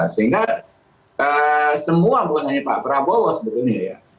sehingga semua bukan hanya pak prabowo sebetulnya ya